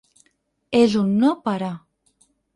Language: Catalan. És un no parar.